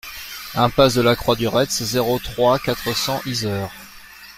Impasse de la Croix du Retz, zéro trois, quatre cents Yzeure